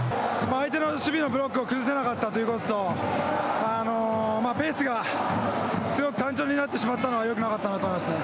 相手の守備のブロックを崩せなかったということとペースがすごく単調になってしまったのは、よくなかったと思いますね。